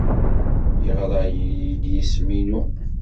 Yeɣra-iyi-d s yisem-inu.